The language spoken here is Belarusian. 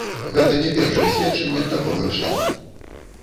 Гэта не першае сведчанне такога кшталту.